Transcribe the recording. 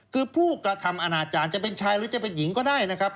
คือผู้กระทำอนาจารย์จะเป็นชายหรือจะเป็นหญิงก็ได้นะครับ